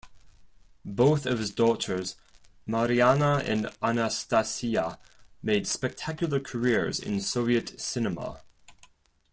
Both of his daughters, Marianna and Anastasiya, made spectacular careers in Soviet cinema.